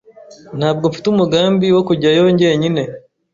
Ntabwo mfite umugambi wo kujyayo jyenyine.